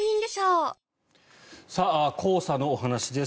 黄砂のお話です。